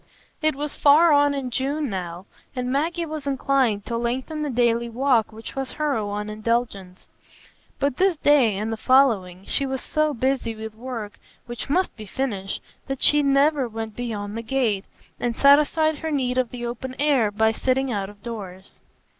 It was far on in June now, and Maggie was inclined to lengthen the daily walk which was her one indulgence; but this day and the following she was so busy with work which must be finished that she never went beyond the gate, and satisfied her need of the open air by sitting out of doors.